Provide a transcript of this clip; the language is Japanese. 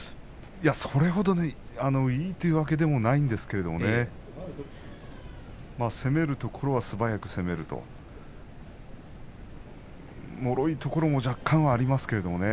それほどいいというわけでもないんですけれどね攻めるところは素早く攻めるもろいところも若干ありますけれどね。